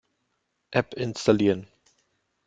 App installieren.